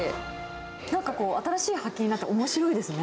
なんかこう、新しい発見があっておもしろいですね。